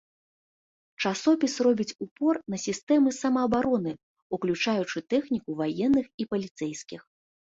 Часопіс робіць упор на сістэмы самаабароны, уключаючы тэхніку ваенных і паліцэйскіх.